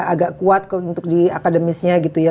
agak kuat untuk di akademisnya gitu ya